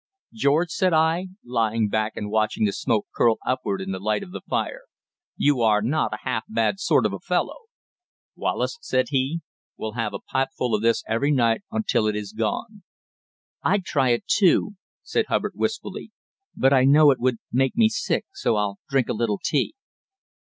"George," said I, lying back and watching the smoke curl upward in the light of the fire, "you are not a half bad sort of a fellow." "Wallace," said be, "we'll have a pipeful of this every night until it is gone." "I'd try it, too," said Hubbard wistfully, "but I know it would make me sick, so I'll drink a little tea."